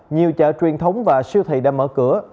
nhiều chợ truyền thống và siêu thị đã mở cửa